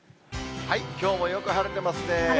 きょうもよく晴れてますね。